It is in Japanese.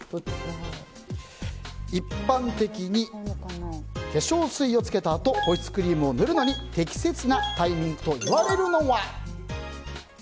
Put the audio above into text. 一般的に化粧水をつけたあと保湿クリームを塗るのに適切なタイミングといわれるのは？